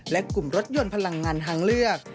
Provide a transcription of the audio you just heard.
และกลุ่มรถยนต์พลังงานทางเลือก